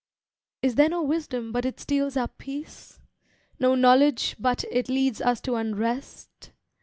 Is there no wisdom but it steals our peace? No knowledge but it leads us to unrest?